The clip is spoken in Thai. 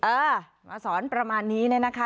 เออมาสอนประมาณนี้เนี่ยนะคะ